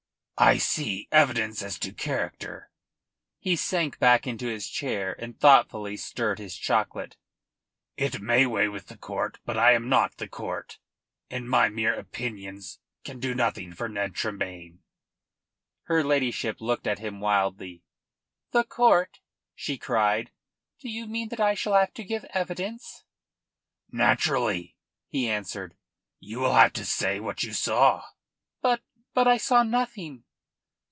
"I see: evidence as to character." He sank back into his chair and thoughtfully stirred his chocolate. "It may weigh with the court. But I am not the court, and my mere opinions can do nothing for Ned Tremayne." Her ladyship looked at him wildly. "The court?" she cried. "Do you mean that I shall have to give evidence?" "Naturally," he answered. "You will have to say what you saw." "But but I saw nothing."